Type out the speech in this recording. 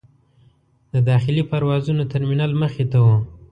د داخلي پروازونو ترمینل مخې ته و.